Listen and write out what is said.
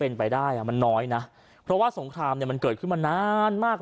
แ๋มไปได้มันน้อยนะเพราะว่าสงครามมันเกิดขึ้นนานมาก